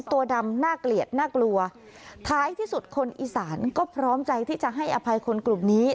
ตัวดำน่าเกลียดน่ากลัวท้ายที่สุดคนอีสานก็พร้อมใจที่จะให้อภัยคนกลุ่มนี้